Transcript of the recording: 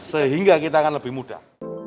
sehingga kita akan lebih mudah